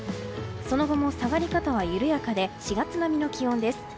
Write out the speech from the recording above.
その後も下がり方は緩やかで４月並みの気温です。